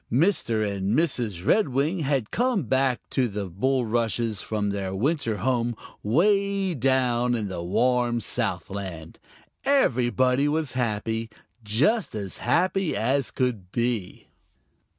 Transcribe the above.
Mr. and Mrs. Redwing had come back to the bulrushes from their winter home way down in the warm Southland. Everybody was happy, just as happy as could be.